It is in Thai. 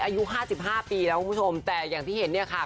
อายุ๕๕ปีแล้วคุณผู้ชมแต่อย่างที่เห็นอย่างค่ะ